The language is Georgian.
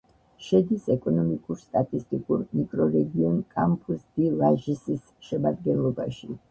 შედის ეკონომიკურ-სტატისტიკურ მიკრორეგიონ კამპუს-დი-ლაჟისის შემადგენლობაში.